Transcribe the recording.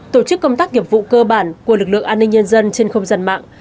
tổ chức công tác nghiệp vụ cơ bản của lực lượng an ninh nhân dân trên không gian mạng